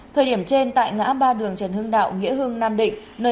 thời điểm trên tại ngã ba đường trần hưng đạo nghĩa hương nam định